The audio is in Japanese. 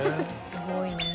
すごいねえ。